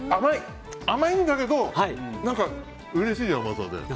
甘いんだけど何かうれしい甘さで。